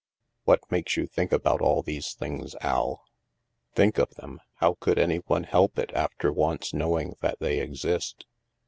" What makes you think about all these things, Al?" " Think of them ? How could any one help it after once knowing that they exist?